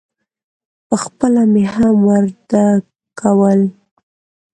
پخپله مې هم ورد کول.